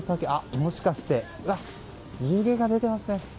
もしかして湯気が出てますね。